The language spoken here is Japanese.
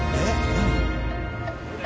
何？